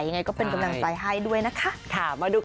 ยังไงก็เป็นกำลังใจให้ด้วยนะคะ